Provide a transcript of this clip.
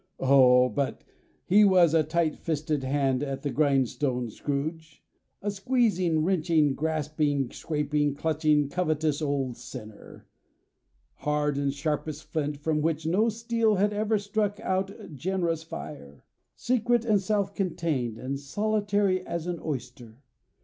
Oh! But he was a tight fisted hand at the grindstone, Scrooge! a squeezing, wrenching, grasping, scraping, clutching, covetous, old sinner! Hard and sharp as flint, from which no steel had ever struck out generous fire; secret and self contained, and solitary as an oyster.